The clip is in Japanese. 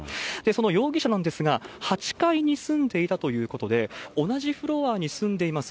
その容疑者なんですが、８階に住んでいたということで、同じフロアに住んでいます